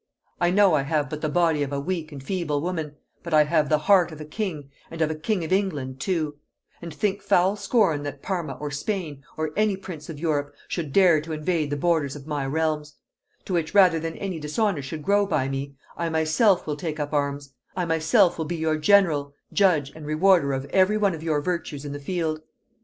I know I have but the body of a weak and feeble woman, but I have the heart of a king, and of a king of England too; and think foul scorn that Parma or Spain, or any prince of Europe, should dare to invade the borders of my realms: To which, rather than any dishonor should grow by me, I myself will take up arms; I myself will be your general, judge, and rewarder of every one of your virtues in the field.